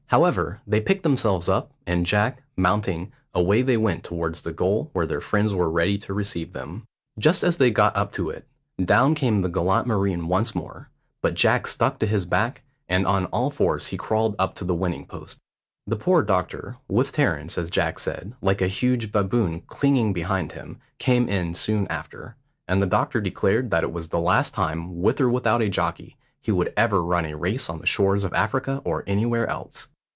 However, they picked themselves up; and, Jack, mounting, away they went towards the goal where their friends were ready to receive them. Just as they got up to it, down came the gallant marine once more, but Jack stuck to his back, and on all fours he crawled up to the winning post. The poor doctor, with Terence, as Jack said, like a huge baboon clinging behind him, came in soon after; and the doctor declared that it was the last time, with or without a jockey, he would ever run a race on the shores of Africa or anywhere else.